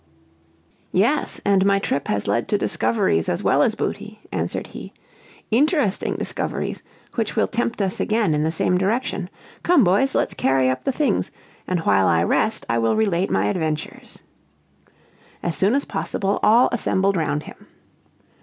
"Yes, and my trip has led to discoveries as well as booty," answered he; "interesting discoveries which will tempt us again in the same direction. Come, boys, let's carry up the things, and while I rest I will relate my adventures." As soon as possible all assembled round him.